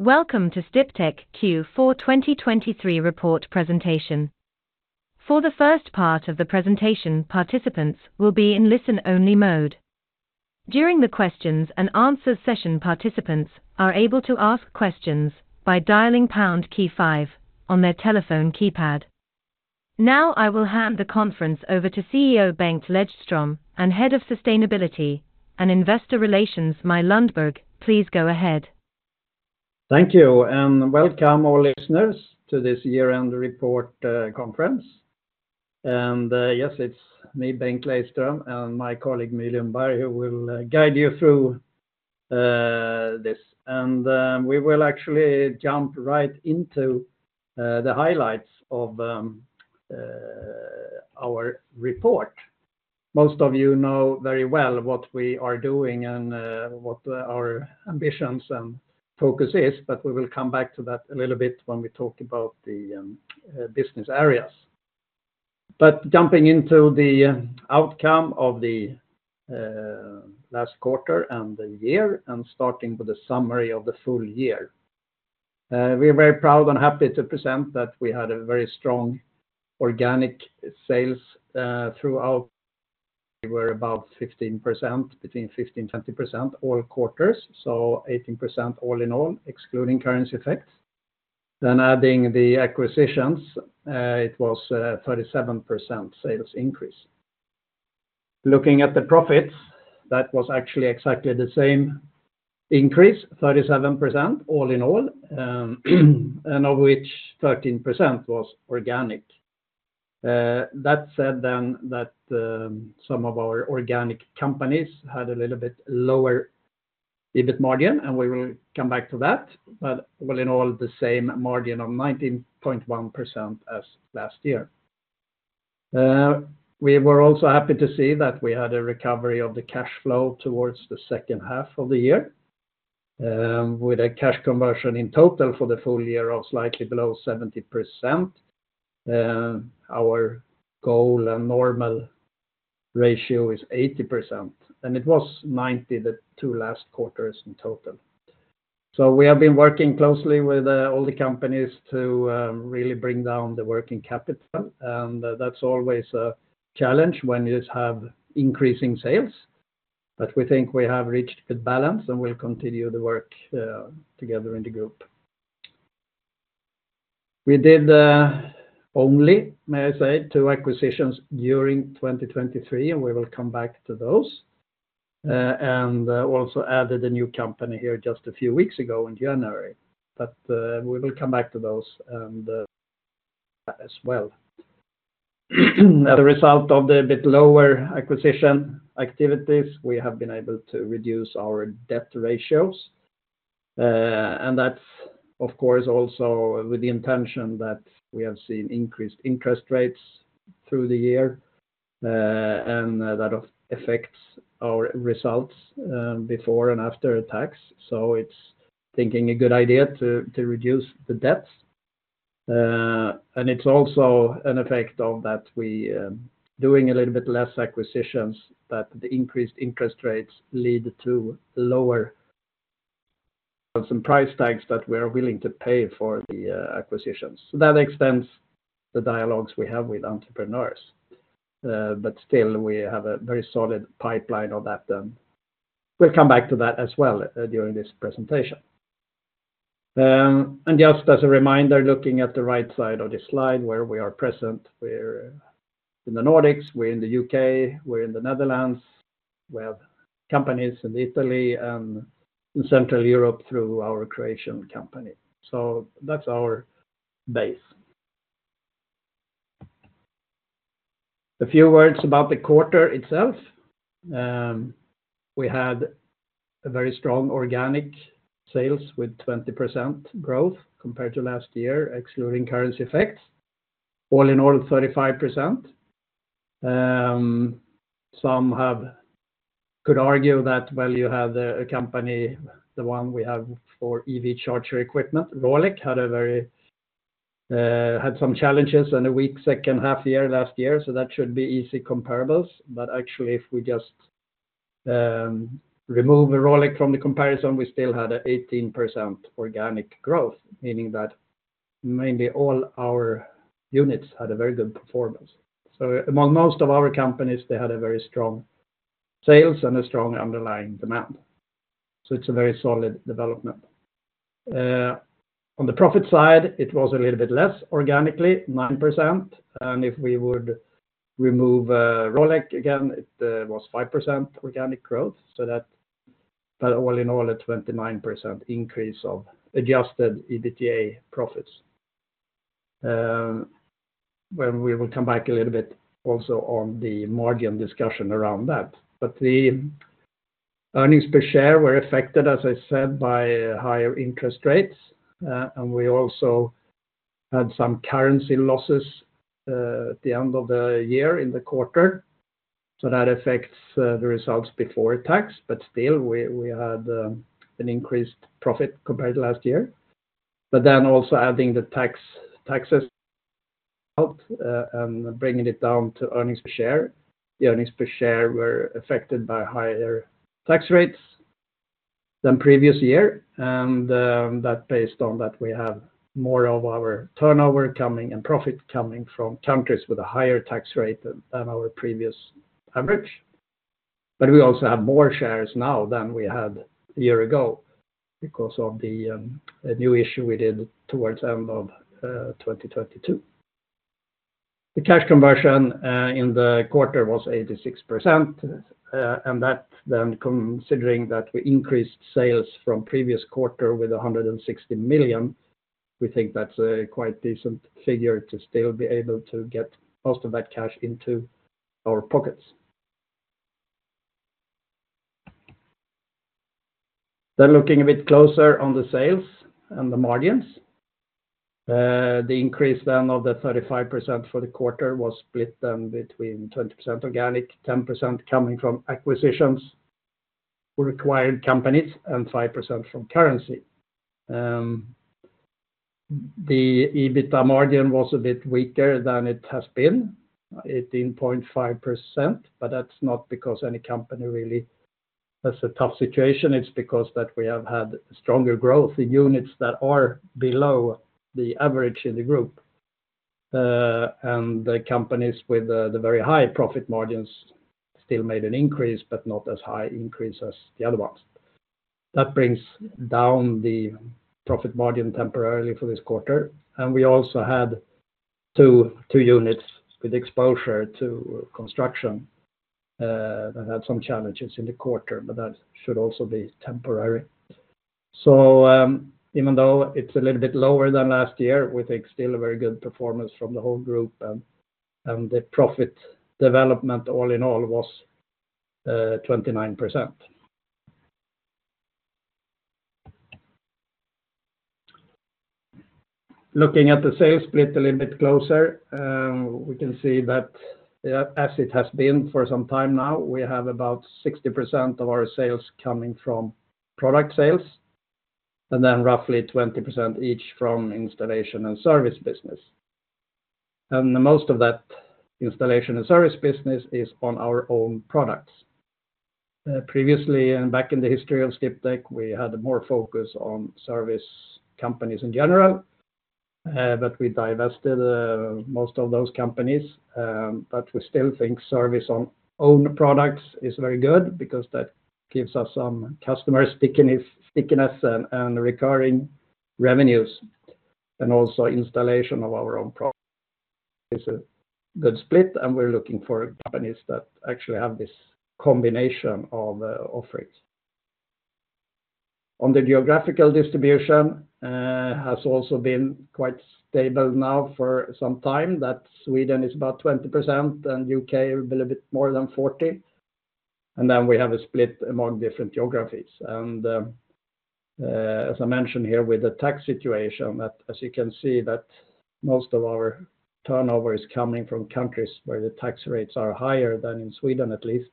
Welcome to Sdiptech Q4 2023 report presentation. For the first part of the presentation, participants will be in listen-only mode. During the questions and answers session, participants are able to ask questions by dialing pound key five on their telephone keypad. Now I will hand the conference over to CEO Bengt Lejdström and Head of Sustainability and Investor Relations, My Lundberg, please go ahead. Thank you, and welcome all listeners to this year-end report conference. Yes, it's me, Bengt Lejdström, and my colleague My Lundberg who will guide you through this. We will actually jump right into the highlights of our report. Most of you know very well what we are doing and what our ambitions and focus is, but we will come back to that a little bit when we talk about the business areas. But jumping into the outcome of the last quarter and the year, and starting with a summary of the full year. We are very proud and happy to present that we had a very strong organic sales throughout. We were about 15%, between 15% and 20% all quarters, so 18% all in all, excluding currency effects. Then adding the acquisitions, it was a 37% sales increase. Looking at the profits, that was actually exactly the same increase, 37% all in all, and of which 13% was organic. That said then that some of our organic companies had a little bit lower EBIT margin, and we will come back to that, but all in all the same margin of 19.1% as last year. We were also happy to see that we had a recovery of the cash flow towards the second half of the year, with a cash conversion in total for the full year of slightly below 70%. Our goal and normal ratio is 80%, and it was 90% the two last quarters in total. So we have been working closely with all the companies to really bring down the working capital, and that's always a challenge when you have increasing sales. But we think we have reached good balance and will continue the work together in the group. We did only, may I say, two acquisitions during 2023, and we will come back to those. Also added a new company here just a few weeks ago in January, but we will come back to those as well. As a result of the bit lower acquisition activities, we have been able to reduce our debt ratios. That's, of course, also with the intention that we have seen increased interest rates through the year, and that affects our results before and after tax. It's thinking a good idea to reduce the debts. It's also an effect of that we're doing a little bit less acquisitions, that the increased interest rates lead to lower price tags that we are willing to pay for the acquisitions. So that extends the dialogues we have with entrepreneurs. But still, we have a very solid pipeline of that then. We'll come back to that as well during this presentation. And just as a reminder, looking at the right side of this slide where we are present, we're in the Nordics, we're in the UK, we're in the Netherlands. We have companies in Italy and in Central Europe through our Croatian company. So that's our base. A few words about the quarter itself. We had a very strong organic sales with 20% growth compared to last year, excluding currency effects. All in all, 35%. Some could argue that, well, you had a company, the one we have for EV charger equipment, Rolec, had some challenges in the weak second half year last year, so that should be easy comparables. But actually, if we just remove Rolec from the comparison, we still had 18% organic growth, meaning that mainly all our units had a very good performance. So among most of our companies, they had a very strong sales and a strong underlying demand. So it's a very solid development. On the profit side, it was a little bit less organically, 9%. And if we would remove Rolec again, it was 5% organic growth, so that, but all in all, a 29% increase of Adjusted EBITDA profits. We will come back a little bit also on the margin discussion around that. But the earnings per share were affected, as I said, by higher interest rates. And we also had some currency losses at the end of the year in the quarter. So that affects the results before tax, but still, we had an increased profit compared to last year. But then also adding the taxes out and bringing it down to earnings per share, the earnings per share were affected by higher tax rates than previous year. And that's based on that we have more of our turnover coming and profit coming from countries with a higher tax rate than our previous average. But we also have more shares now than we had a year ago because of the new issue we did towards the end of 2022. The cash conversion in the quarter was 86%. And that then, considering that we increased sales from previous quarter with 160 million, we think that's a quite decent figure to still be able to get most of that cash into our pockets. Then looking a bit closer on the sales and the margins, the increase then of the 35% for the quarter was split then between 20% organic, 10% coming from acquisitions from acquired companies, and 5% from currency. The EBITDA margin was a bit weaker than it has been, 18.5%, but that's not because any company really has a tough situation. It's because that we have had stronger growth in units that are below the average in the group. And the companies with the very high profit margins still made an increase, but not as high an increase as the other ones. That brings down the profit margin temporarily for this quarter. And we also had two units with exposure to construction that had some challenges in the quarter, but that should also be temporary. So even though it's a little bit lower than last year, we think still a very good performance from the whole group. And the profit development, all in all, was 29%. Looking at the sales split a little bit closer, we can see that, as it has been for some time now, we have about 60% of our sales coming from product sales, and then roughly 20% each from installation and service business. And most of that installation and service business is on our own products. Previously, back in the history of Sdiptech, we had more focus on service companies in general, but we divested most of those companies. But we still think service on own products is very good because that gives us some customer stickiness and recurring revenues. Also installation of our own products is a good split, and we're looking for companies that actually have this combination of offerings. On the geographical distribution, it has also been quite stable now for some time. That Sweden is about 20% and UK a little bit more than 40%. And then we have a split among different geographies. And as I mentioned here with the tax situation, that as you can see, that most of our turnover is coming from countries where the tax rates are higher than in Sweden at least,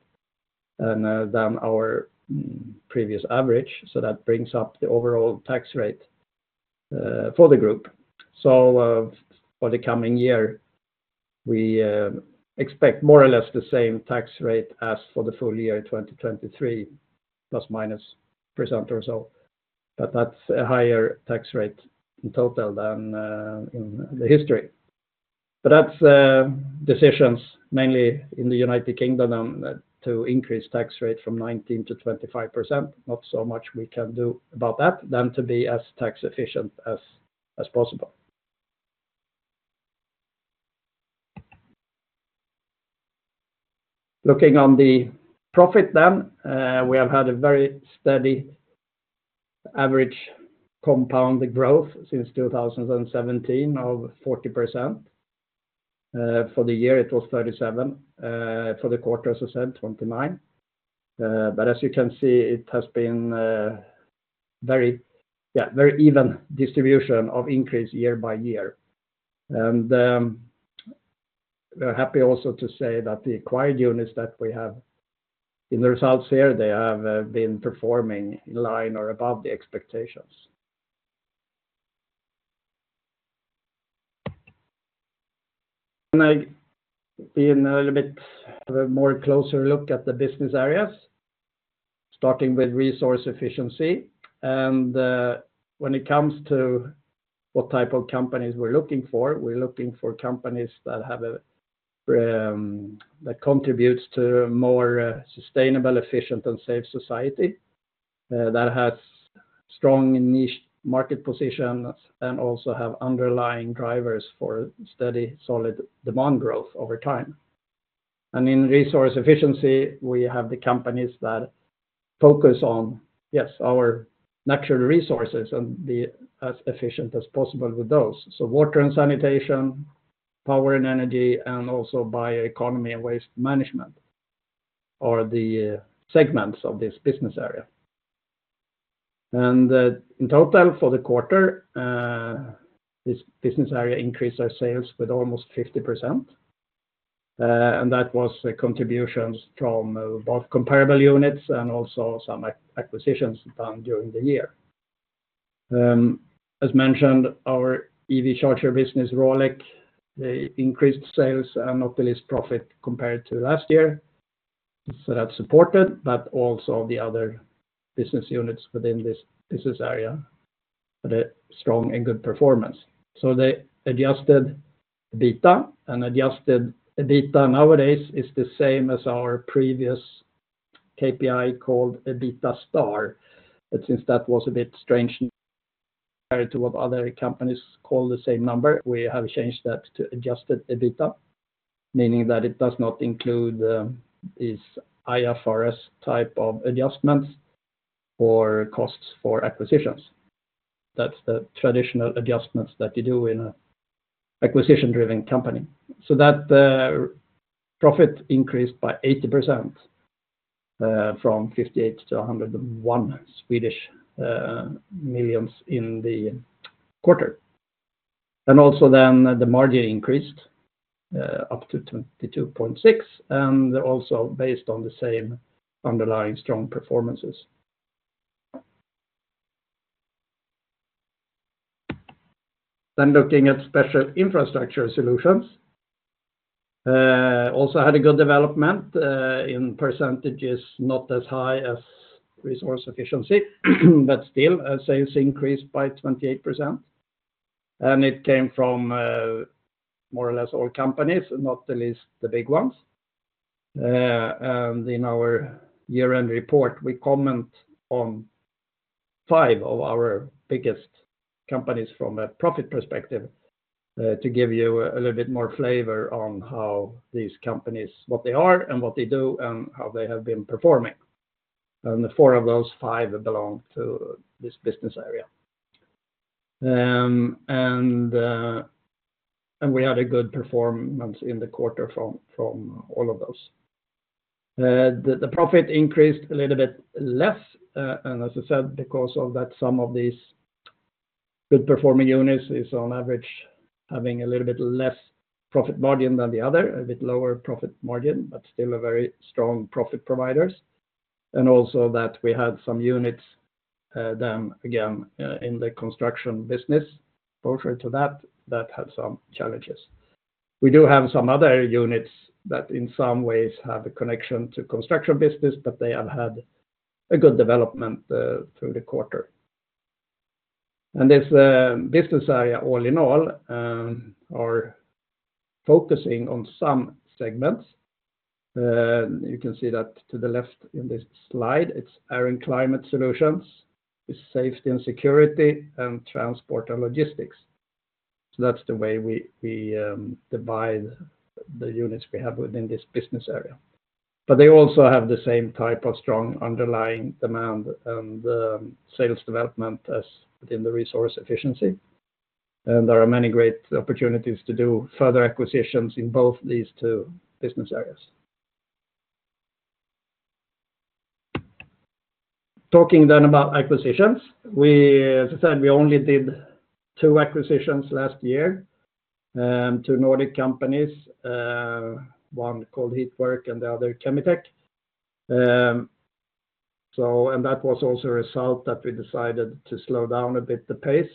and then our previous average. So that brings up the overall tax rate for the group. So for the coming year, we expect more or less the same tax rate as for the full year 2023, ±1% or so. But that's a higher tax rate in total than in the history. But that's decisions mainly in the United Kingdom then to increase tax rate from 19%-25%. Not so much we can do about that than to be as tax efficient as possible. Looking on the profit then, we have had a very steady average compound growth since 2017 of 40%. For the year, it was 37%. For the quarter, as I said, 29%. But as you can see, it has been a very even distribution of increase year by year. And we're happy also to say that the acquired units that we have in the results here, they have been performing in line or above the expectations. Being a little bit more closer look at the business areas, starting with Resource Efficiency. When it comes to what type of companies we're looking for, we're looking for companies that contribute to a more sustainable, efficient, and safe society that has strong niche market positions and also have underlying drivers for steady, solid demand growth over time. In Resource Efficiency, we have the companies that focus on, yes, our natural resources and be as efficient as possible with those. So water and sanitation, power and energy, and also bioeconomy and waste management are the segments of this business area. In total, for the quarter, this business area increased our sales with almost 50%. That was contributions from both comparable units and also some acquisitions done during the year. As mentioned, our EV charger business, Rolec, increased sales and not the least profit compared to last year. So that's supported, but also the other business units within this business area had a strong and good performance. So their Adjusted EBITDA, and Adjusted EBITDA nowadays is the same as our previous KPI called EBITDA*. But since that was a bit strange compared to what other companies call the same number, we have changed that to Adjusted EBITDA, meaning that it does not include these IFRS type of adjustments or costs for acquisitions. That's the traditional adjustments that you do in an acquisition-driven company. So that profit increased by 80% from 58 million to 101 million in the quarter. And also then the margin increased up to 22.6%, and also based on the same underlying strong performances. Then looking at Special Infrastructure Solutions, also had a good development in percentages, not as high as Resource Efficiency, but still, sales increased by 28%. It came from more or less all companies, not least the big ones. In our year-end report, we comment on five of our biggest companies from a profit perspective to give you a little bit more flavor on how these companies, what they are and what they do, and how they have been performing. Four of those five belong to this business area. We had a good performance in the quarter from all of those. The profit increased a little bit less, and as I said, because of that, some of these good performing units is on average having a little bit less profit margin than the other, a bit lower profit margin, but still very strong profit providers. Also that we had some units then, again, in the construction business, closer to that, that had some challenges. We do have some other units that in some ways have a connection to construction business, but they have had a good development through the quarter. This business area, all in all, are focusing on some segments. You can see that to the left in this slide, it's air and climate solutions, safety and security, and transport and logistics. That's the way we divide the units we have within this business area. But they also have the same type of strong underlying demand and sales development as within the Resource Efficiency. There are many great opportunities to do further acquisitions in both these two business areas. Talking then about acquisitions, as I said, we only did two acquisitions last year to Nordic companies, one called HeatWork and the other Kemi-tech. That was also a result that we decided to slow down a bit the pace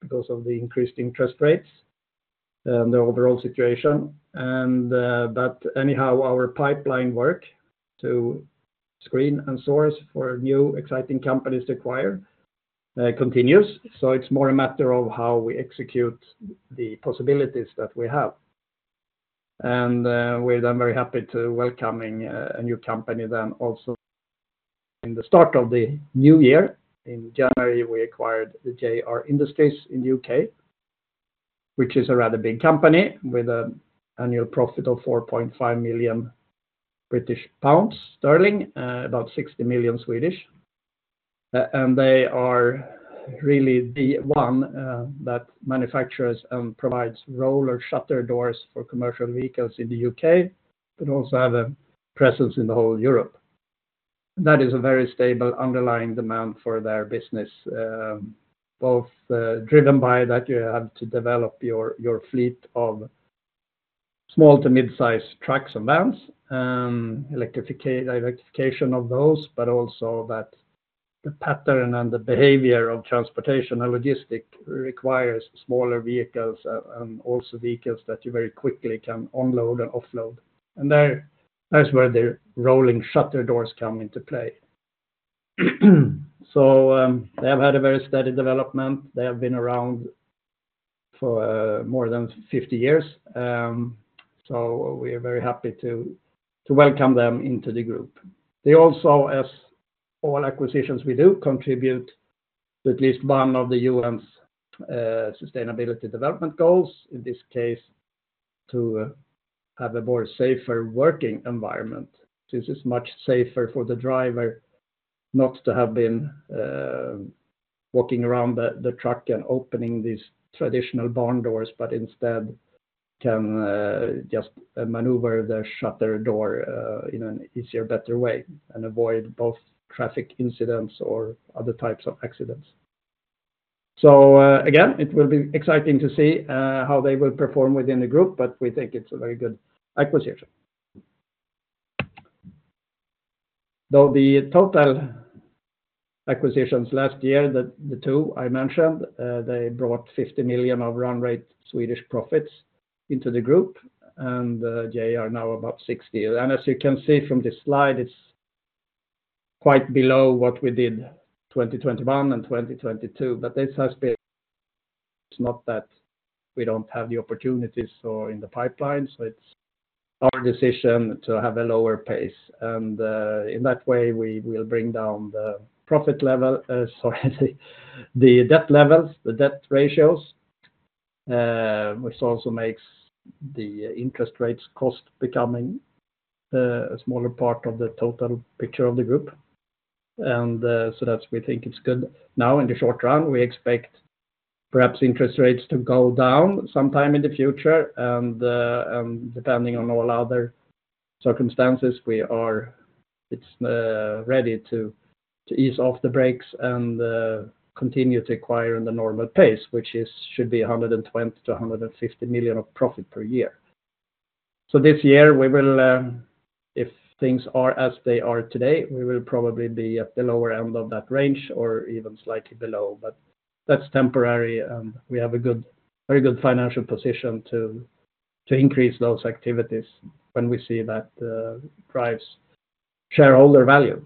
because of the increased interest rates and the overall situation. But anyhow, our pipeline work to screen and source for new exciting companies to acquire continues. So it's more a matter of how we execute the possibilities that we have. We're then very happy to welcome a new company then also in the start of the new year. In January, we acquired JR Industries in the UK, which is a rather big company with an annual profit of 4.5 million British pounds, about SEK 60 million. They are really the one that manufactures and provides roller shutter doors for commercial vehicles in the UK, but also have a presence in the whole Europe. That is a very stable underlying demand for their business, both driven by that you have to develop your fleet of small to mid-size trucks and vans, electrification of those, but also that the pattern and the behavior of transportation and logistics requires smaller vehicles and also vehicles that you very quickly can unload and offload. And that's where the roller shutter doors come into play. So they have had a very steady development. They have been around for more than 50 years. So we are very happy to welcome them into the group. They also, as all acquisitions we do, contribute to at least one of the UN's Sustainability Development Goals, in this case to have a more safer working environment. This is much safer for the driver not to have been walking around the truck and opening these traditional barn doors, but instead can just maneuver the shutter door in an easier, better way and avoid both traffic incidents or other types of accidents. So again, it will be exciting to see how they will perform within the group, but we think it's a very good acquisition. Though the total acquisitions last year, the two I mentioned, they brought 50 million of run rate Swedish profits into the group, and JR now about 60 million. And as you can see from this slide, it's quite below what we did 2021 and 2022. But this has been not that we don't have the opportunities or in the pipeline. So it's our decision to have a lower pace. In that way, we will bring down the profit level, sorry, the debt levels, the debt ratios, which also makes the interest rates cost becoming a smaller part of the total picture of the group. So that's we think it's good. Now, in the short run, we expect perhaps interest rates to go down sometime in the future. And depending on all other circumstances, we are ready to ease off the brakes and continue to acquire in the normal pace, which should be 120 million-150 million of profit per year. So this year, we will, if things are as they are today, we will probably be at the lower end of that range or even slightly below. But that's temporary, and we have a very good financial position to increase those activities when we see that drives shareholder value.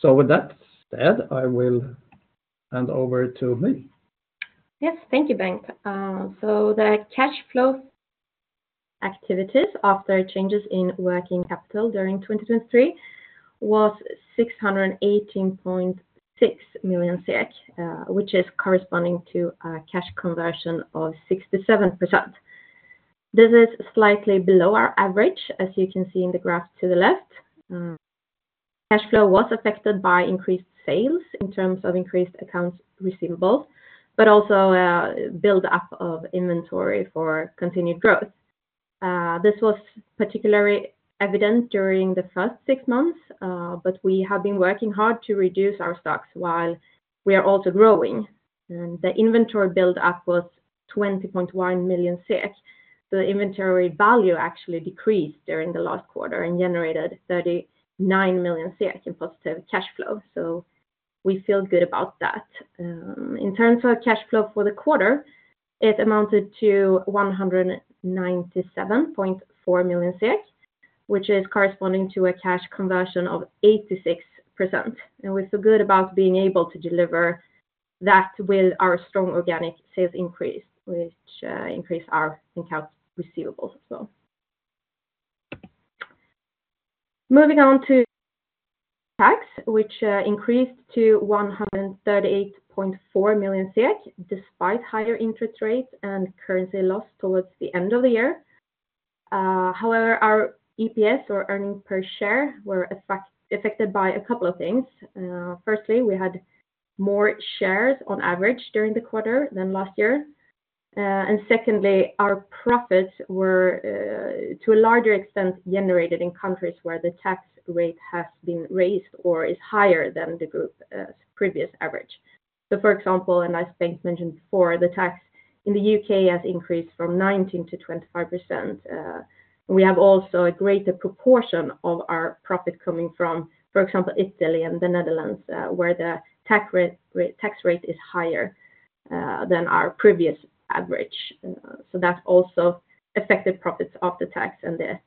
So with that said, I will hand over to My. Yes, thank you, Bengt. So the cash flow activities after changes in working capital during 2023 was 618.6 million, which is corresponding to a cash conversion of 67%. This is slightly below our average, as you can see in the graph to the left. Cash flow was affected by increased sales in terms of increased accounts receivable, but also a buildup of inventory for continued growth. This was particularly evident during the first six months, but we have been working hard to reduce our stocks while we are also growing. And the inventory buildup was 20.1 million. The inventory value actually decreased during the last quarter and generated 39 million in positive cash flow. So we feel good about that. In terms of cash flow for the quarter, it amounted to 197.4 million, which is corresponding to a cash conversion of 86%. We feel good about being able to deliver that with our strong organic sales increase, which increased our accounts receivables as well. Moving on to tax, which increased to 138.4 million despite higher interest rates and currency loss towards the end of the year. However, our EPS, or earnings per share, were affected by a couple of things. Firstly, we had more shares on average during the quarter than last year. Secondly, our profits were, to a larger extent, generated in countries where the tax rate has been raised or is higher than the group's previous average. For example, and as Bengt mentioned before, the tax in the UK has increased from 19% to 25%. We have also a greater proportion of our profit coming from, for example, Italy and the Netherlands, where the tax rate is higher than our previous average. That also affected profits off the tax and the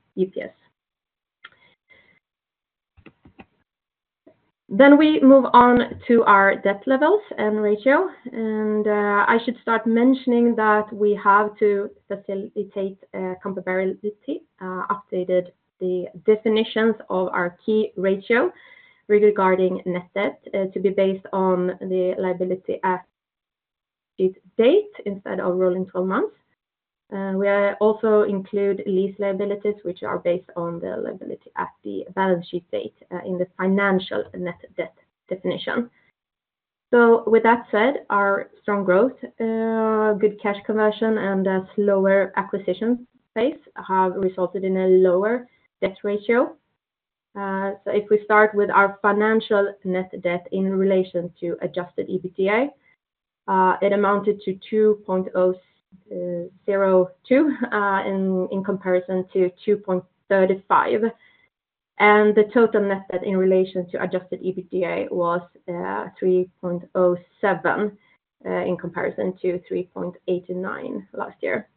EPS. We move on to our debt levels and ratio. I should start mentioning that we have to facilitate comparability, updated the definitions of our key ratio regarding net debt to be based on the liability at the balance sheet date instead of rolling 12 months. We also include lease liabilities, which are based on the liability at the balance sheet date in the financial net debt definition. With that said, our strong growth, good cash conversion, and slower acquisition pace have resulted in a lower debt ratio. If we start with our financial net debt in relation to Adjusted EBITDA, it amounted to 2.02 in comparison to 2.35. The total net debt in relation to Adjusted EBITDA was 3.07 in comparison to 3.89 last year.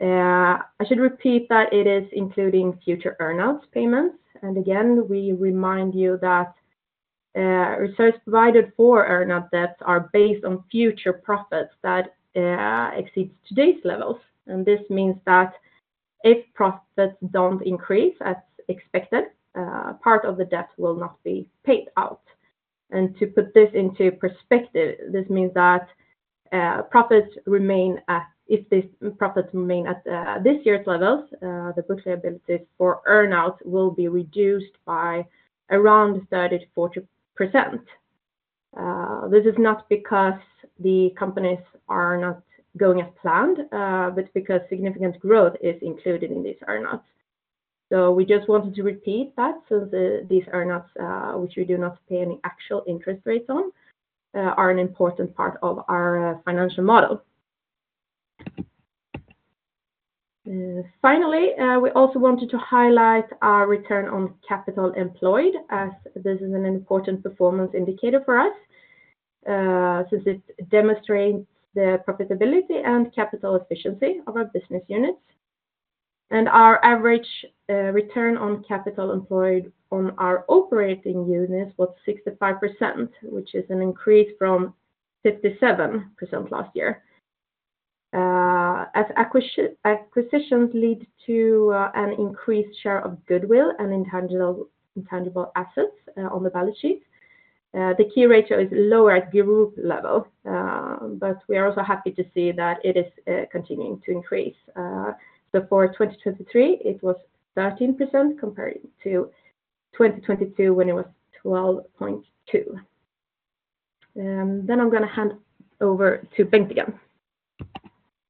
I should repeat that it is including future earnouts payments. Again, we remind you that resources provided for earnout debts are based on future profits that exceed today's levels. This means that if profits don't increase as expected, part of the debt will not be paid out. To put this into perspective, this means that if these profits remain at this year's levels, the book liabilities for earnouts will be reduced by around 30%-40%. This is not because the companies are not going as planned, but because significant growth is included in these earnouts. We just wanted to repeat that since these earnouts, which we do not pay any actual interest rates on, are an important part of our financial model. Finally, we also wanted to highlight our return on capital employed, as this is an important performance indicator for us since it demonstrates the profitability and capital efficiency of our business units. Our average return on capital employed on our operating unit was 65%, which is an increase from 57% last year. As acquisitions lead to an increased share of goodwill and intangible assets on the balance sheet, the key ratio is lower at group level. We are also happy to see that it is continuing to increase. For 2023, it was 13% compared to 2022 when it was 12.2%. I'm going to hand over to Bengt again.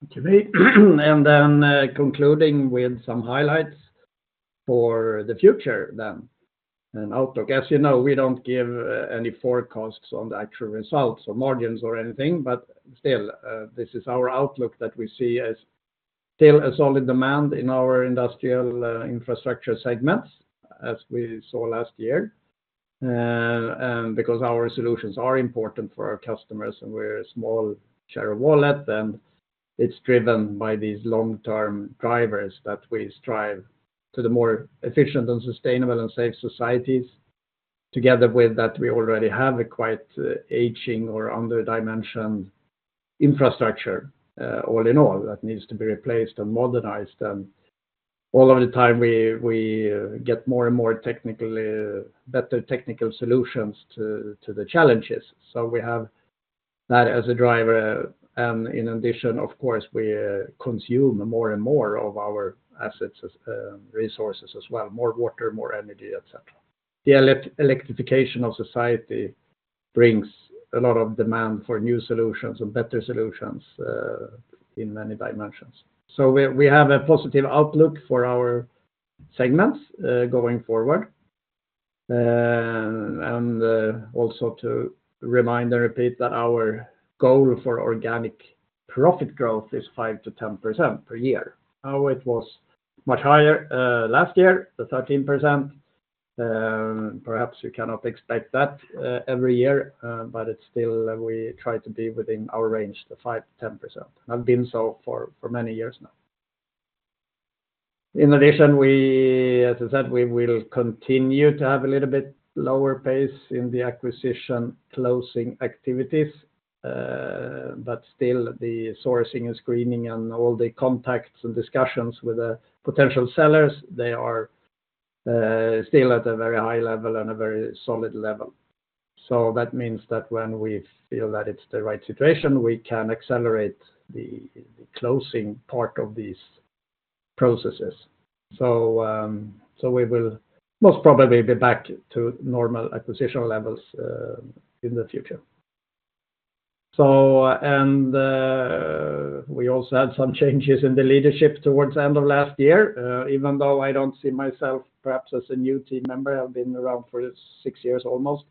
Thank you, My. Then concluding with some highlights for the future, an outlook. As you know, we don't give any forecasts on the actual results or margins or anything. But still, this is our outlook that we see as still a solid demand in our industrial infrastructure segments as we saw last year. And because our solutions are important for our customers and we're a small share of wallet, then it's driven by these long-term drivers that we strive to the more efficient and sustainable and safe societies. Together with that, we already have a quite aging or under-dimensioned infrastructure, all in all, that needs to be replaced and modernized. And all of the time, we get more and more better technical solutions to the challenges. So we have that as a driver. And in addition, of course, we consume more and more of our assets and resources as well, more water, more energy, etc. The electrification of society brings a lot of demand for new solutions and better solutions in many dimensions. We have a positive outlook for our segments going forward. Also to remind and repeat that our goal for organic profit growth is 5%-10% per year. Now, it was much higher last year, the 13%. Perhaps you cannot expect that every year, but still, we try to be within our range, the 5%-10%. I've been so for many years now. In addition, as I said, we will continue to have a little bit lower pace in the acquisition closing activities. Still, the sourcing and screening and all the contacts and discussions with potential sellers, they are still at a very high level and a very solid level. That means that when we feel that it's the right situation, we can accelerate the closing part of these processes. So we will most probably be back to normal acquisition levels in the future. And we also had some changes in the leadership towards the end of last year, even though I don't see myself perhaps as a new team member. I've been around for six years almost,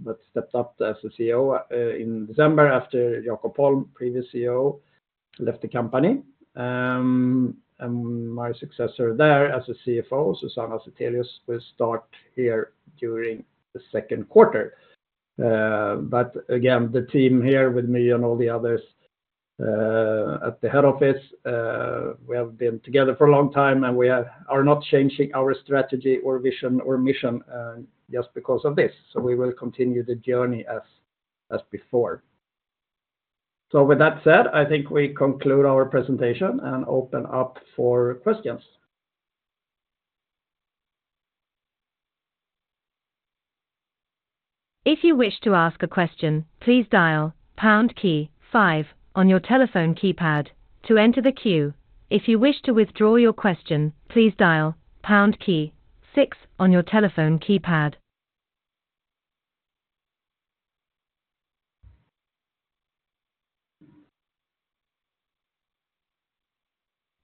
but stepped up as CEO in December after Jakob Holm, previous CEO, left the company. And my successor there as CFO, Susanna Zethelius, will start here during the second quarter. But again, the team here with me and all the others at the head office, we have been together for a long time, and we are not changing our strategy or vision or mission just because of this. So we will continue the journey as before. So with that said, I think we conclude our presentation and open up for questions. If you wish to ask a question, please dial pound key five on your telephone keypad to enter the queue. If you wish to withdraw your question, please dial pound key six on your telephone keypad.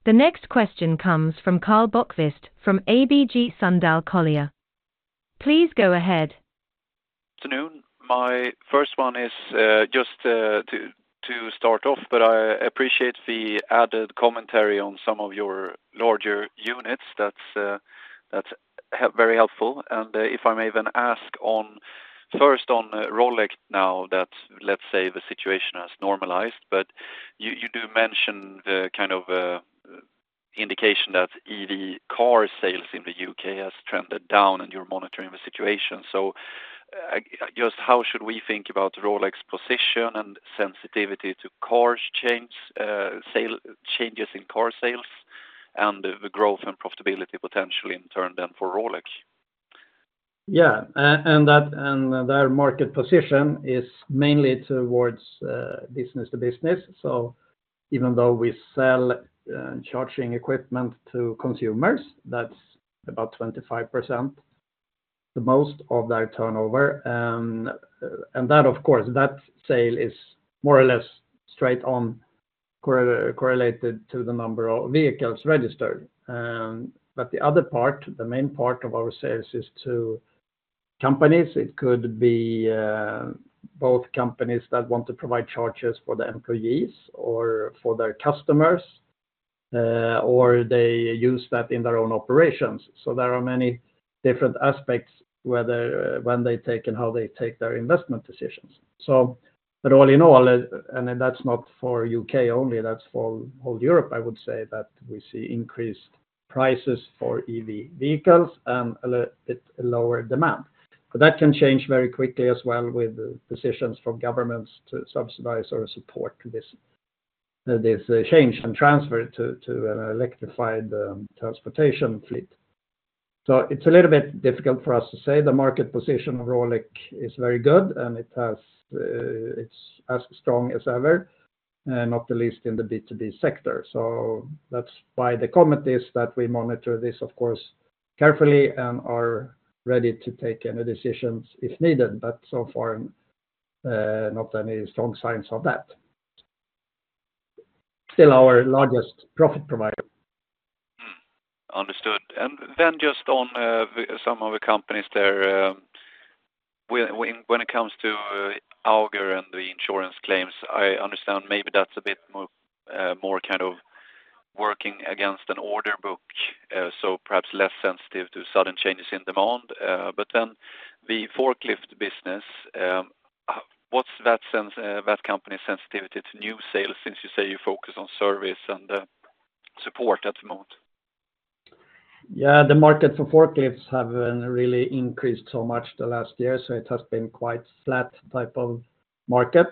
The next question comes from Karl Bokvist from ABG Sundal Collier. Please go ahead. Good afternoon. My first one is just to start off, but I appreciate the added commentary on some of your larger units. That's very helpful. And if I may even ask first on Rolec now that, let's say, the situation has normalized, but you do mention the kind of indication that EV car sales in the UK has trended down and you're monitoring the situation. So just how should we think about Rolec position and sensitivity to cars changes in car sales and the growth and profitability potentially in turn then for Rolec? Yeah. Their market position is mainly towards business to business. So even though we sell charging equipment to consumers, that's about 25%, the most of their turnover. And of course, that sale is more or less straight on correlated to the number of vehicles registered. But the other part, the main part of our sales is to companies. It could be both companies that want to provide charges for the employees or for their customers, or they use that in their own operations. So there are many different aspects, whether when they take and how they take their investment decisions. But all in all, and that's not for U.K. only, that's for all Europe, I would say that we see increased prices for EV vehicles and a little bit lower demand. But that can change very quickly as well with decisions from governments to subsidize or support this change and transfer to an electrified transportation fleet. So it's a little bit difficult for us to say. The market position of Rolec is very good, and it's as strong as ever, not the least in the B2B sector. So that's why the committees that we monitor this, of course, carefully and are ready to take any decisions if needed. But so far, not any strong signs of that. Still our largest profit provider. Understood. And then just on some of the companies there, when it comes to Auger and the insurance claims, I understand maybe that's a bit more kind of working against an order book, so perhaps less sensitive to sudden changes in demand. But then the forklift business, what's that company's sensitivity to new sales since you say you focus on service and support at the moment? Yeah. The market for forklifts hasn't really increased so much the last year, so it has been quite flat type of market.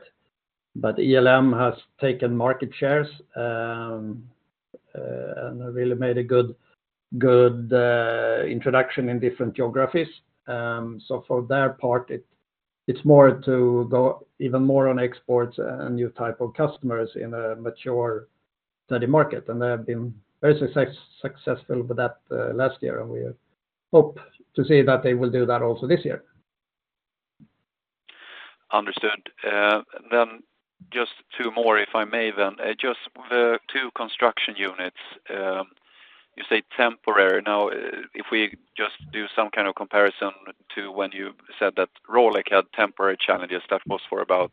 But ELM has taken market shares and really made a good introduction in different geographies. So for their part, it's more to go even more on exports and new type of customers in a mature steady market. And they have been very successful with that last year. And we hope to see that they will do that also this year. Understood. Then just two more, if I may then, just the two construction units, you say temporary. Now, if we just do some kind of comparison to when you said that Rolec had temporary challenges, that was for about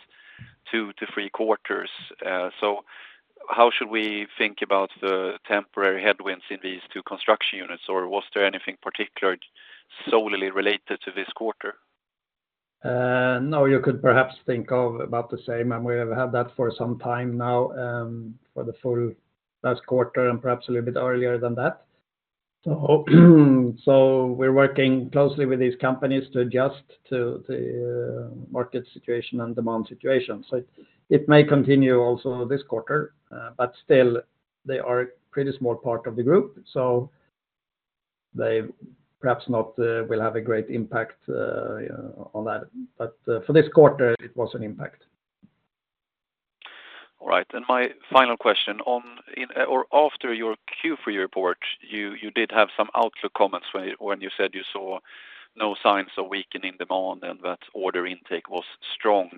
two to three quarters. So how should we think about the temporary headwinds in these two construction units? Or was there anything particularly solely related to this quarter? No, you could perhaps think of about the same. And we have had that for some time now for the full last quarter and perhaps a little bit earlier than that. So we're working closely with these companies to adjust to the market situation and demand situation. So it may continue also this quarter. But still, they are a pretty small part of the group. So they perhaps not will have a great impact on that. But for this quarter, it was an impact. All right. And my final question, after your queue for your report, you did have some outlook comments when you said you saw no signs of weakening demand and that order intake was strong.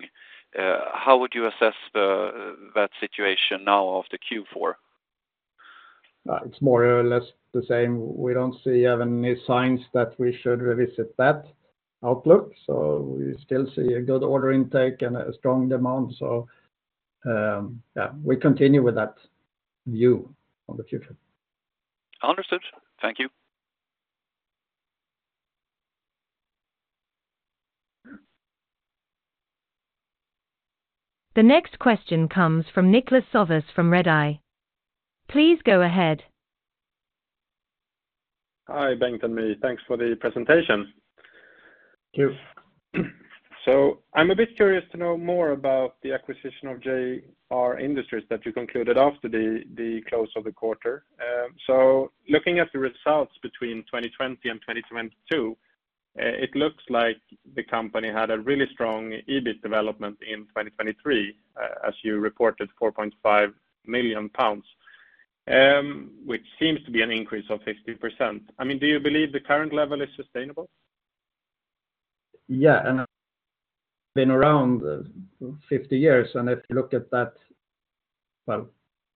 How would you assess that situation now after Q4? It's more or less the same. We don't see even any signs that we should revisit that outlook. So we still see a good order intake and a strong demand. So yeah, we continue with that view on the future. Understood. Thank you. The next question comes from Niklas Sävås from Redeye. Please go ahead. Hi, Bengt and My. Thanks for the presentation. Thank you. So I'm a bit curious to know more about the acquisition of JR Industries that you concluded after the close of the quarter. So looking at the results between 2020 and 2022, it looks like the company had a really strong EBIT development in 2023, as you reported, 4.5 million pounds, which seems to be an increase of 50%. I mean, do you believe the current level is sustainable? Yeah. It's been around 50 years. If you look at that, well,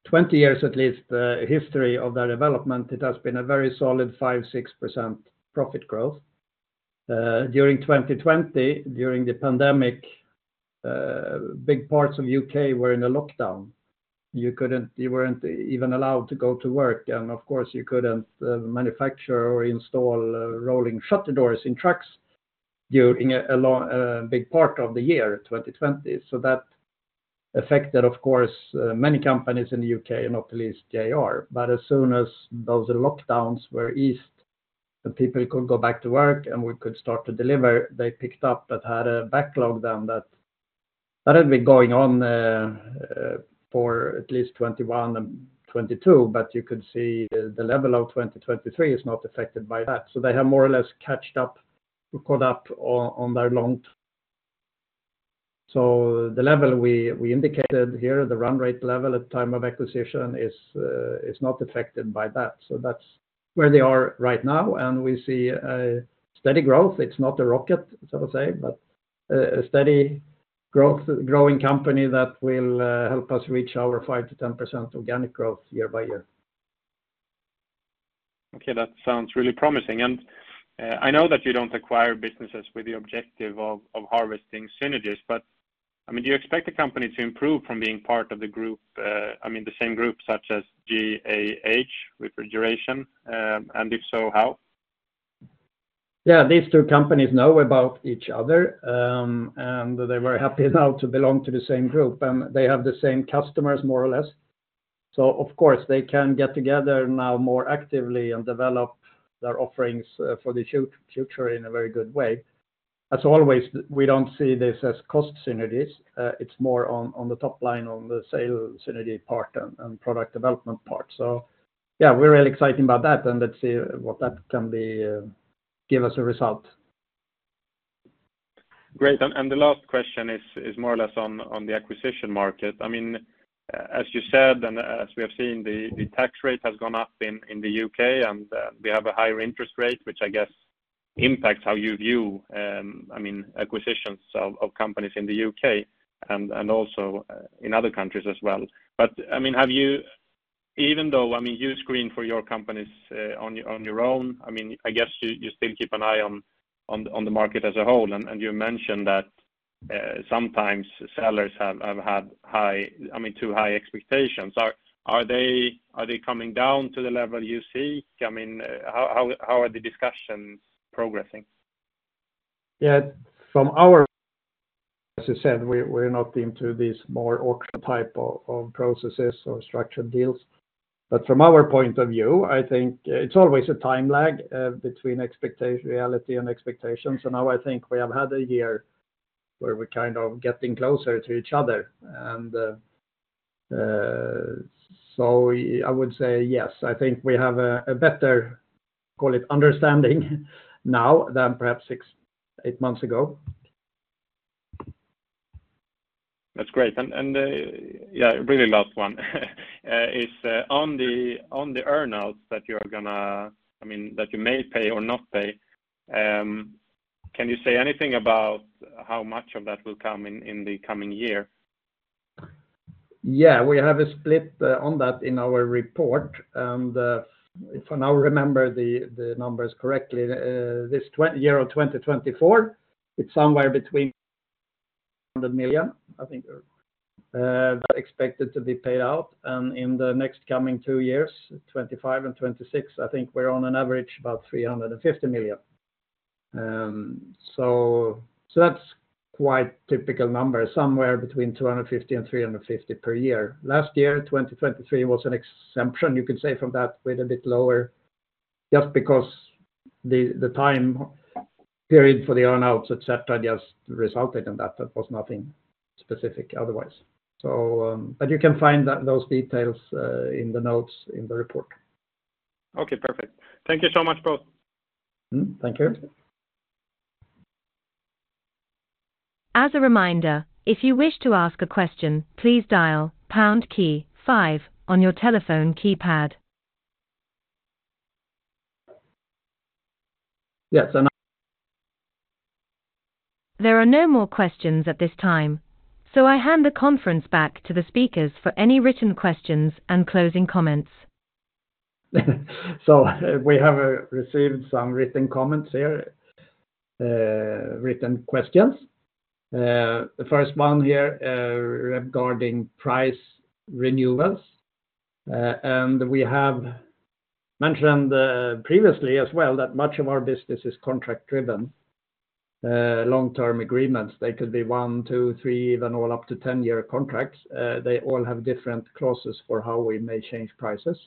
20 years at least history of their development, it has been a very solid 5%-6% profit growth. During 2020, during the pandemic, big parts of U.K. were in a lockdown. You weren't even allowed to go to work. Of course, you couldn't manufacture or install roller shutter doors in trucks during a big part of the year, 2020. That affected, of course, many companies in the U.K., not the least JR. As soon as those lockdowns were eased and people could go back to work and we could start to deliver, they picked up. That had a backlog then that had been going on for at least 2021 and 2022. You could see the level of 2023 is not affected by that. So they have more or less caught up on their long. So the level we indicated here, the run rate level at time of acquisition, is not affected by that. So that's where they are right now. And we see steady growth. It's not a rocket, shall I say, but a steady growing company that will help us reach our 5%-10% organic growth year by year. Okay. That sounds really promising. And I know that you don't acquire businesses with the objective of harvesting synergies, but I mean, do you expect the company to improve from being part of the group, I mean, the same group such as GAH, refrigeration? And if so, how? Yeah. These two companies know about each other. And they're very happy now to belong to the same group. And they have the same customers, more or less. So of course, they can get together now more actively and develop their offerings for the future in a very good way. As always, we don't see this as cost synergies. It's more on the top line, on the sale synergy part and product development part. So yeah, we're really excited about that. And let's see what that can give us a result. Great. And the last question is more or less on the acquisition market. I mean, as you said and as we have seen, the tax rate has gone up in the U.K., and we have a higher interest rate, which I guess impacts how you view, I mean, acquisitions of companies in the U.K. and also in other countries as well. But I mean, even though, I mean, you screen for your companies on your own, I mean, I guess you still keep an eye on the market as a whole. And you mentioned that sometimes sellers have had high, I mean, too high expectations. Are they coming down to the level you see? I mean, how are the discussions progressing? Yeah. From our perspective, as you said, we're not into these more auction type of processes or structured deals. But from our point of view, I think it's always a time lag between reality and expectations. And now I think we have had a year where we're kind of getting closer to each other. And so I would say yes. I think we have a better, call it, understanding now than perhaps six, eight months ago. That's great. And yeah, really last one. On the earnouts that you are going to, I mean, that you may pay or not pay, can you say anything about how much of that will come in the coming year? Yeah. We have a split on that in our report. And if I now remember the numbers correctly, this year of 2024, it's somewhere between 100 million, I think, that's expected to be paid out. And in the next coming two years, 2025 and 2026, I think we're on an average about 350 million. So that's quite typical numbers, somewhere between 250 million and 350 million per year. Last year, 2023, was an exemption, you could say, from that with a bit lower just because the time period for the earnouts, etc., just resulted in that. That was nothing specific otherwise. But you can find those details in the notes in the report. Okay. Perfect. Thank you so much, both. Thank you. As a reminder, if you wish to ask a question, please dial pound key five on your telephone keypad. Yes. And there are no more questions at this time. So I hand the conference back to the speakers for any written questions and closing comments. So we have received some written comments here, written questions. The first one here regarding price renewals. And we have mentioned previously as well that much of our business is contract-driven, long-term agreements. They could be 1, 2, 3, even all up to 10-year contracts. They all have different clauses for how we may change prices.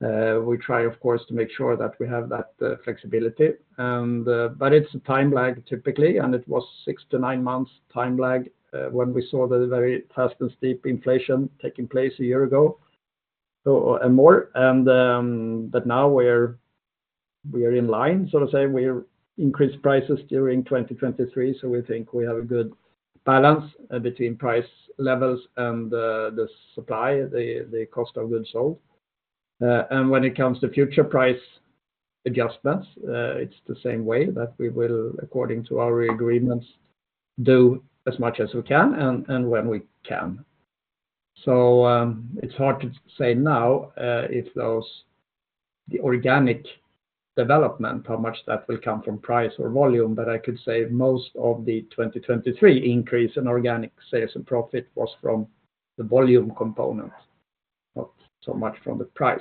We try, of course, to make sure that we have that flexibility. But it's a time lag, typically. And it was six to nine months time lag when we saw the very fast and steep inflation taking place a year ago and more. But now we are in line, shall I say. We increased prices during 2023. So we think we have a good balance between price levels and the supply, the cost of goods sold. And when it comes to future price adjustments, it's the same way that we will, according to our agreements, do as much as we can and when we can. So it's hard to say now if the organic development, how much that will come from price or volume. But I could say most of the 2023 increase in organic sales and profit was from the volume component, not so much from the price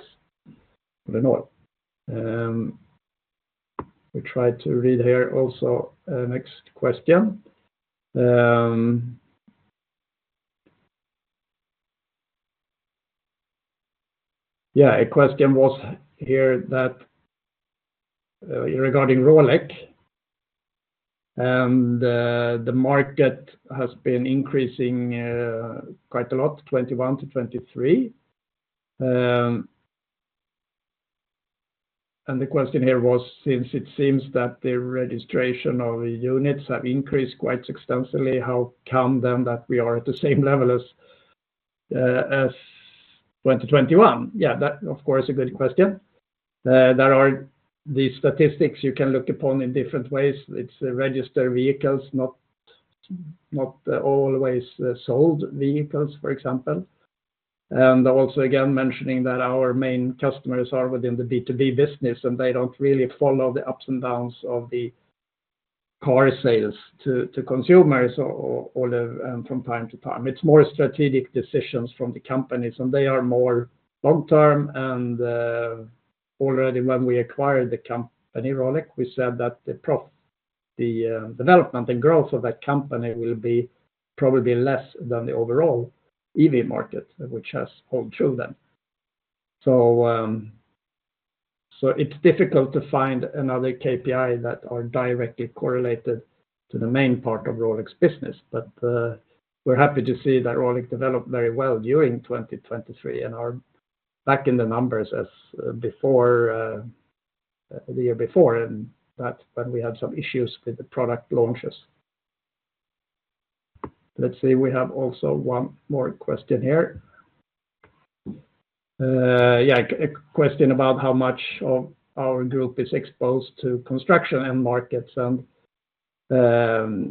all in all. We try to read here also next question. Yeah. A question was here regarding Rolec. And the market has been increasing quite a lot, 2021 to 2023. And the question here was, since it seems that the registration of units have increased quite extensively, how come then that we are at the same level as 2021? Yeah. That, of course, is a good question. There are these statistics you can look upon in different ways. It's registered vehicles, not always sold vehicles, for example. And also, again, mentioning that our main customers are within the B2B business, and they don't really follow the ups and downs of the car sales to consumers from time to time. It's more strategic decisions from the companies. And they are more long-term. And already when we acquired the company, Rolec, we said that the development and growth of that company will be probably less than the overall EV market, which has held true then. So it's difficult to find another KPI that are directly correlated to the main part of Rolec business. But we're happy to see that Rolec developed very well during 2023 and are back in the numbers as the year before when we had some issues with the product launches. Let's see. We have also one more question here. Yeah. A question about how much of our group is exposed to construction and markets. And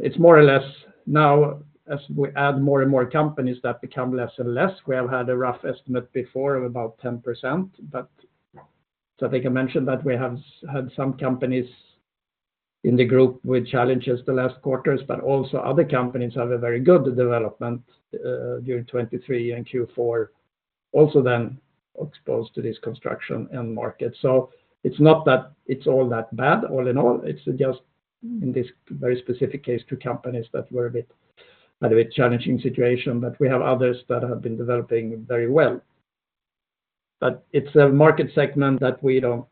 it's more or less now, as we add more and more companies that become less and less, we have had a rough estimate before of about 10%. But I think I mentioned that we have had some companies in the group with challenges the last quarters, but also other companies have a very good development during 2023 and Q4, also then exposed to this construction and market. So it's not that it's all that bad all in all. It's just in this very specific case two companies that were a bit had a bit challenging situation. But we have others that have been developing very well. But it's a market segment that we don't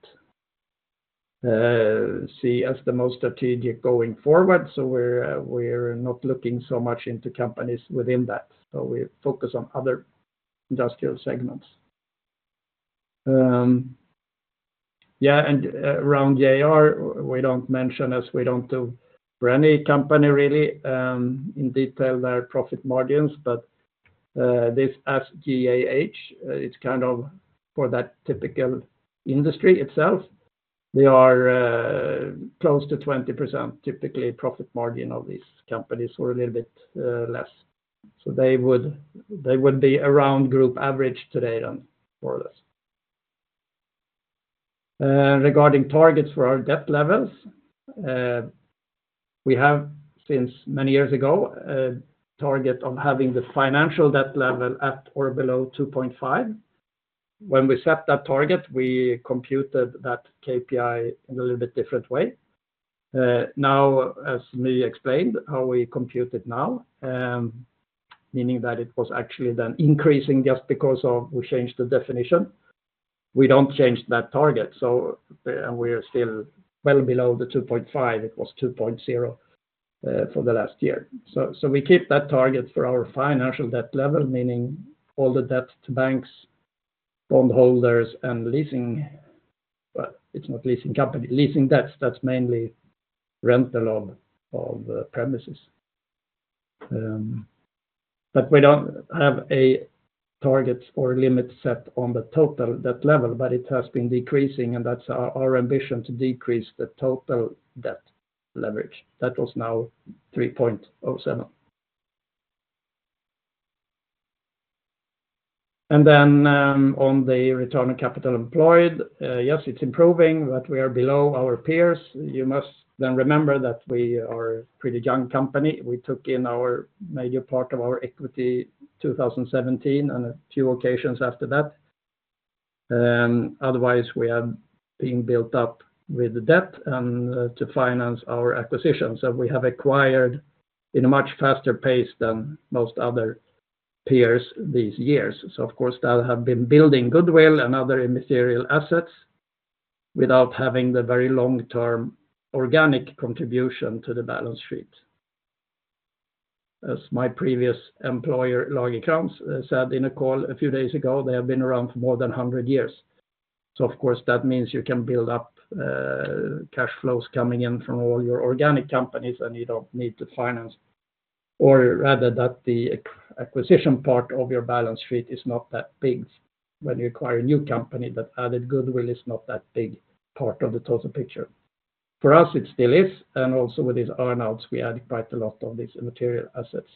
see as the most strategic going forward. So we're not looking so much into companies within that. So we focus on other industrial segments. Yeah. And around JR, we don't mention as we don't do for any company really in detail their profit margins. But this GAH, it's kind of for that typical industry itself. They are close to 20%, typically, profit margin of these companies or a little bit less. So they would be around group average today then, more or less. Regarding targets for our debt levels, we have, since many years ago, a target of having the financial debt level at or below 2.5. When we set that target, we computed that KPI in a little bit different way. Now, as My explained, how we compute it now, meaning that it was actually then increasing just because we changed the definition, we don't change that target. We're still well below the 2.5. It was 2.0 for the last year. So we keep that target for our financial debt level, meaning all the debt to banks, bondholders, and leasing but it's not leasing company. Leasing debts, that's mainly rental of premises. We don't have a target or limit set on the total debt level. It has been decreasing. That's our ambition to decrease the total debt leverage. That was now 3.07. On the return on capital employed, yes, it's improving, but we are below our peers. You must then remember that we are a pretty young company. We took in our major part of our equity in 2017 and a few occasions after that. Otherwise, we have been built up with debt to finance our acquisitions. And we have acquired in a much faster pace than most other peers these years. So, of course, that has been building goodwill and other immaterial assets without having the very long-term organic contribution to the balance sheet. As my previous employer, Lagercrantz, said in a call a few days ago, they have been around for more than 100 years. So, of course, that means you can build up cash flows coming in from all your organic companies, and you don't need to finance or rather that the acquisition part of your balance sheet is not that big. When you acquire a new company, that added goodwill is not that big part of the total picture. For us, it still is. And also with these earnouts, we add quite a lot of these immaterial assets.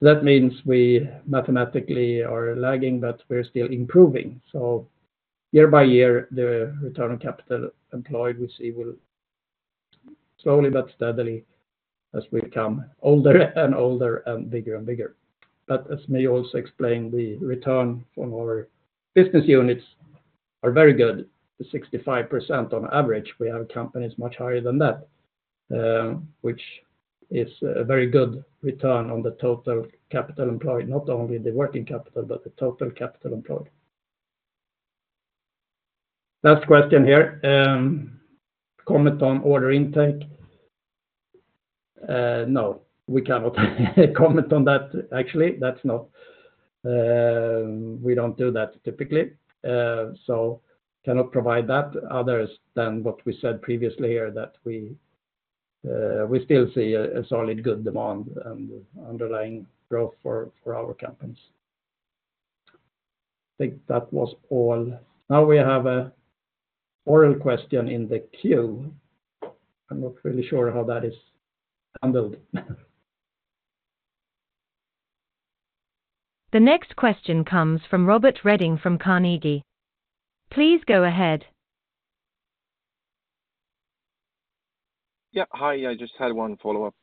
That means we mathematically are lagging, but we're still improving. So year by year, the return on capital employed we see will slowly but steadily as we become older and older and bigger and bigger. But as My also explained, the return from our business units are very good, 65% on average. We have companies much higher than that, which is a very good return on the total capital employed, not only the working capital, but the total capital employed. Last question here. Comment on order intake? No, we cannot comment on that, actually. We don't do that typically. Cannot provide that other than what we said previously here, that we still see a solid good demand and underlying growth for our companies. I think that was all. Now we have an oral question in the queue. I'm not really sure how that is handled. The next question comes from Robert Redin from Carnegie. Please go ahead. Yeah. Hi. I just had one follow-up.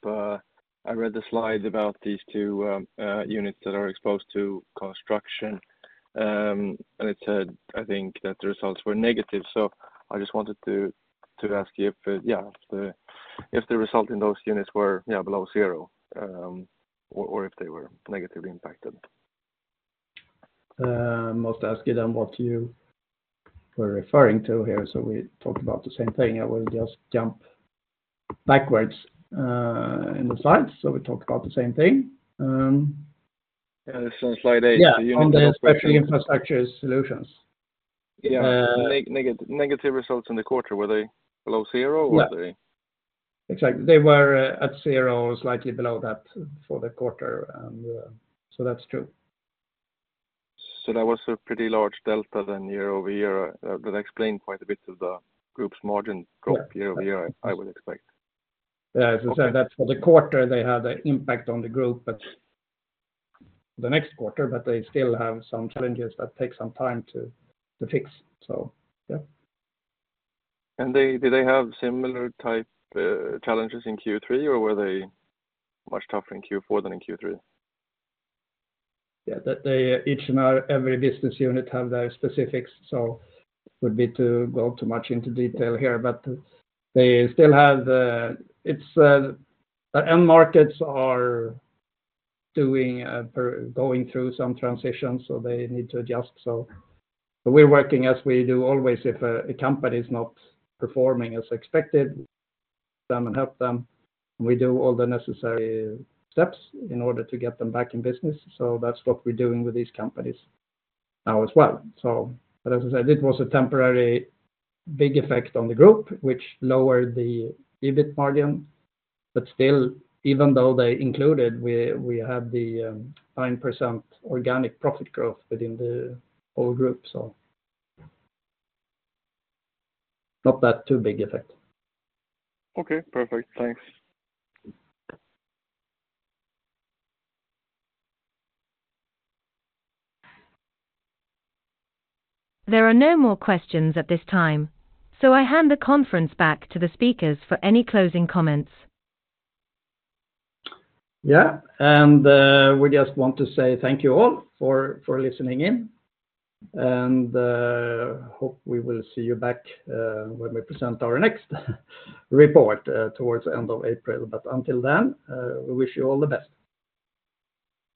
I read the slides about these two units that are exposed to construction. It said, I think, that the results were negative. So I just wanted to ask you if, yeah, if the result in those units were, yeah, below zero or if they were negatively impacted. I must ask you then what you were referring to here. So we talked about the same thing. I will just jump backwards in the slides. So we talked about the same thing. Yeah. This is on slide eight. The unit on the Special Infrastructure Solutions. Yeah. Negative results in the quarter. Were they below zero, or were they? Yeah. Exactly. They were at zero, slightly below that for the quarter. And so that's true. So that was a pretty large delta then year-over-year. That explained quite a bit of the group's margin growth year-over-year, I would expect. Yeah. As I said, that's for the quarter. They had an impact on the group for the next quarter, but they still have some challenges that take some time to fix. So yeah. Did they have similar type challenges in Q3, or were they much tougher in Q4 than in Q3? Yeah. Each and every business unit have their specifics. So it would be to go too much into detail here. But they still have the end markets are going through some transitions, so they need to adjust. So we're working as we do always. If a company is not performing as expected, them and help them. And we do all the necessary steps in order to get them back in business. So that's what we're doing with these companies Now as well. So as I said, it was a temporary big effect on the group, which lowered the EBIT margin. But still, even though they included, we had the 9% organic profit growth within the whole group. So not that too big effect. Okay. Perfect. Thanks. There are no more questions at this time. So I hand the conference back to the speakers for any closing comments. Yeah. And we just want to say thank you all for listening in and hope we will see you back when we present our next report towards the end of April. But until then, we wish you all the best.